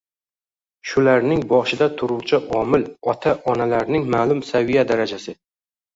Shularning boshida turuvchi omil – ota-onalarning ma’lum saviya darajasi